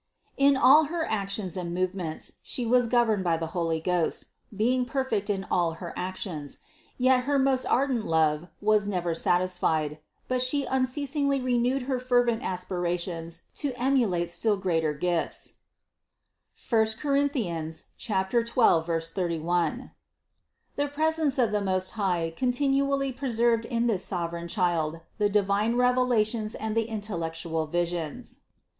380. In all her actions and movements She was gov THE CONCEPTION 303 erned by the Holy Ghost, being perfect in all her actions ; yet her most ardent love was never satisfied, but She unceasingly renewed her fervent aspirations to emulate still greater gifts (I Cor. 12, 31). The presence of the Most High continually preserved in this sovereign Child the divine revelations and the intellectual visions.